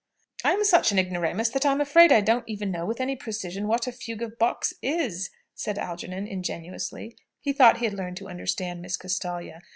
"I'm such an ignoramus that I'm afraid I don't even know with any precision what a fugue of Bach's is!" said Algernon, ingenuously. He thought he had learned to understand Miss Castalia.